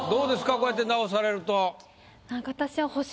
こうやって直されると。